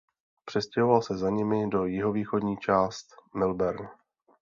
Přestěhoval se za nimi do jihovýchodní část Melbourne.